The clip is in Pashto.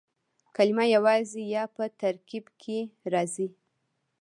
کلیمه یوازي یا په ترکیب کښي راځي.